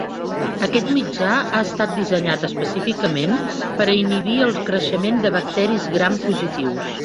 Aquest mitjà ha estat dissenyat específicament per a inhibir el creixement de bacteris gram positius.